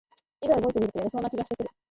いざ動いてみるとやれそうな気がしてくる